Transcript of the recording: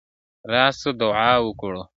راسه دعا وكړو.